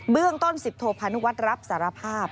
เรื่องต้น๑๐โทพานุวัฒน์รับสารภาพ